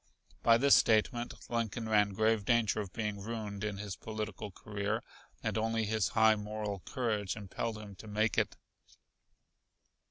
By this statement Lincoln ran grave danger of being ruined in his political career, and only his high moral courage impelled him to make it.